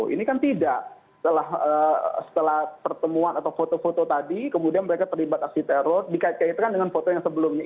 ini kan tidak setelah pertemuan atau foto foto tadi kemudian mereka terlibat aksi teror dikait kaitkan dengan foto yang sebelumnya